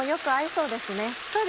そうですね。